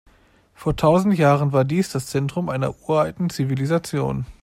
Vor tausend Jahren war dies das Zentrum einer uralten Zivilisation.